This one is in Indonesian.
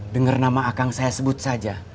dengar nama akang saya sebut saja